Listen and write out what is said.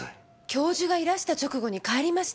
教授がいらした直後に帰りました。